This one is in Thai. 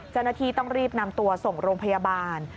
เจ้าหน้าที่ต้องรีบนำตัวส่งโรงพยาบาล